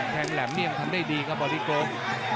แหลมนี่ยังทำได้ดีครับบอดี้โก